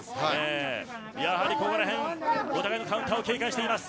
やはり、ここら辺お互いのカウンターを警戒しています。